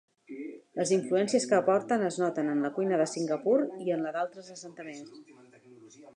Les influències que aporten es noten en la cuina de Singapur i en la d'altres assentaments.